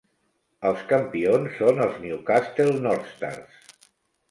Els campions són els Newcastle Northstars.